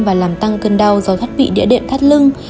và làm tăng cân đau do thắt vị địa đệm thắt lưng